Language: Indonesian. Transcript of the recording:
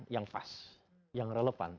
yang pas yang relevan